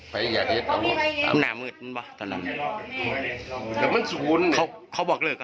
เพราะว่าไม่ปัญเกต้องไกลเป็นลักษณะ